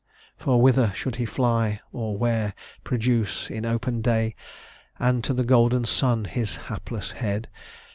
For whither should he fly, or where produce In open day, and to the golden sun, His hapless head!